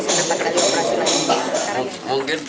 tapi mungkin akan diperlukan paling tidak tiga empat kali operasi